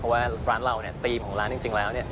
เพราะว่าร้านเราธีมของร้านจริงแล้ว